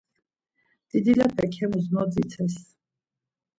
Didilepek hemus nodzitses.